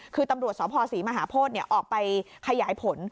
คือตำรวจสภศรีมหาโพธิออกไปขยายผล